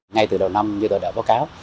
ngay từ đầu năm như tôi đã báo cáo